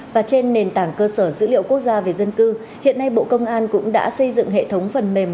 và trên nền tảng cơ sở dữ liệu quốc gia về dân cư hiện nay bộ công an cũng đã xây dựng hệ thống phần mềm